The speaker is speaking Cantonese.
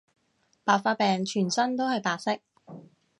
白化病全身都係白色